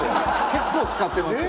結構使ってますよね」